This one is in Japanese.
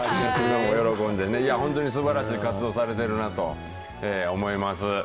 喜んでね、本当にすばらしい活動されてるなと思います。